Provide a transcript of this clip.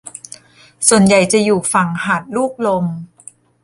ส่วนใหญ่จะอยู่ฝั่งหาดลูกลม